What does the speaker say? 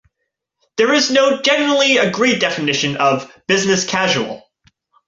There is no generally agreed definition of "business casual".